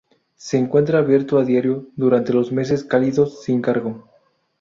Se encuentra abierto a diario durante los meses cálidos sin cargo.